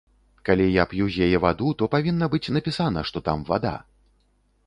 Калі я п'ю з яе ваду, то павінна быць напісана, што там вада.